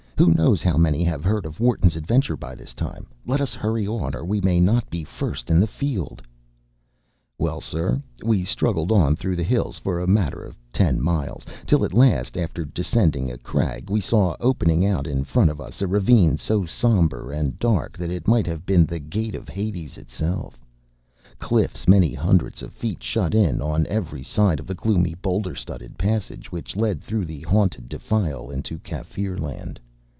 Who knows how many have heard of Wharton’s adventure by this time! Let us hurry on, or we may not be first in the field!” Well, sir, we struggled on through the hills for a matter of ten miles; till at last, after descending a crag, we saw opening out in front of us a ravine so sombre and dark that it might have been the gate of Hades itself; cliffs many hundred feet shut in on every side the gloomy boulder studded passage which led through the haunted defile into Kaffirland.